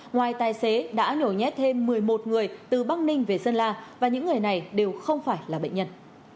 ngoài tài xế đã nhổ nhét thêm một mươi một người từ bắc ninh về sơn la và những người này đều không phải là bệnh nhân